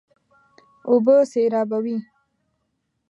اوبه سېرابوي.